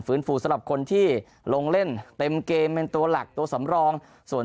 ฝูสำหรับคนที่ลงเล่นเต็มเกมเป็นตัวหลักตัวสำรองส่วน